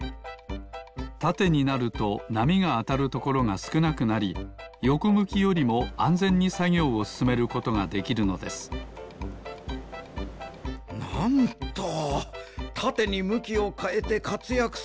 たてになるとなみがあたるところがすくなくなりよこむきよりもあんぜんにさぎょうをすすめることができるのですなんとたてにむきをかえてかつやくするふねがあるとはな。